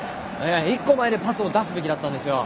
いや１個前でパスを出すべきだったんですよ。